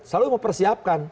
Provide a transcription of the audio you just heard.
selalu mau persiapkan